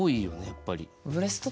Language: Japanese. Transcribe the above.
やっぱり。